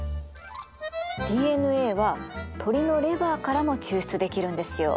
ＤＮＡは鶏のレバーからも抽出できるんですよ。